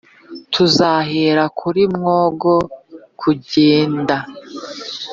tuzahera kuri mwogo tujyenda